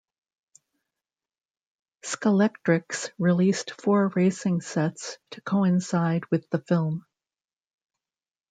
Scalextric released four racing sets to coincide with the film.